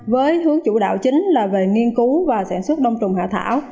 với hướng chủ đạo chính là về nghiên cứu và sản xuất đông trùng hạ thảo